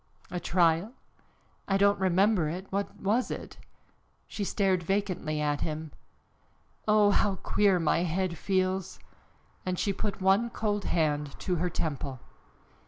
"A trial? I don't remember it. What was it?" She stared vacantly at him. "Oh, how queer my head feels!" And she put one cold hand to her temple.